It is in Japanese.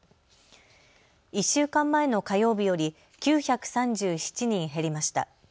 １週間前の火曜日より９３７人減りました。